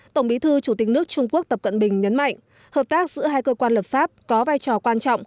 tổng bí thư chủ tịch nước trung quốc tập cận bình nhấn mạnh hợp tác giữa hai cơ quan lập pháp có vai trò quan trọng